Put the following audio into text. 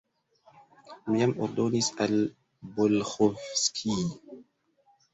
Mi jam ordonis al Bolĥovskij.